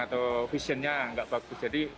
atau visionnya nggak bagus jadi